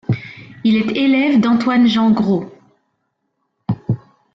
Il est élève d'Antoine-Jean Gros.